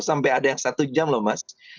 sampai ada yang satu jam loh mas